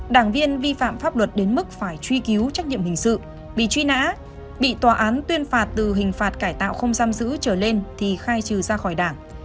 đảng viên vi phạm pháp luật đến mức phải truy cứu trách nhiệm hình sự bị truy nã bị tòa án tuyên phạt từ hình phạt cải tạo không giam giữ trở lên thì khai trừ ra khỏi đảng